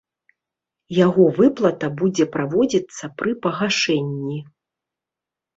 Яго выплата будзе праводзіцца пры пагашэнні.